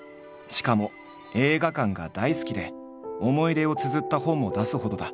しかも映画館が大好きで思い出をつづった本も出すほどだ。